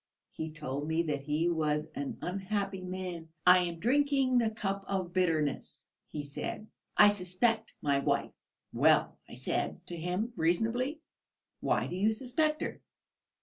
He told me that he was an unhappy man. 'I am drinking the cup of bitterness,' he said; 'I suspect my wife.' 'Well,' I said to him reasonably, 'why do you suspect her?'...